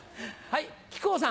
はい。